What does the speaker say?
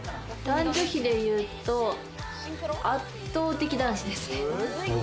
男女比でいうと、圧倒的男子ですね。